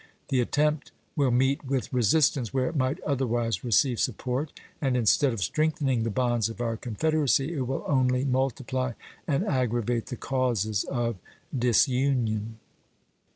The attempt will meet with resistance where it might otherwise receive support, and instead of strengthening the bonds of our Confederacy it will only multiply and aggravate the causes of disunion.